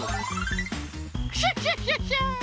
クシャシャシャシャ！